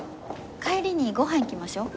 帰りにご飯行きましょう。